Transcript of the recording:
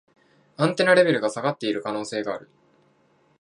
アンテナレベルが下がってる可能性がある